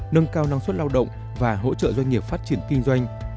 nâng cao năng suất lao động và hỗ trợ doanh nghiệp phát triển kinh doanh